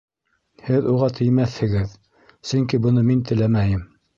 Һеҙ уға теймәҫһегеҙ, сөнки быны мин теләмәйем.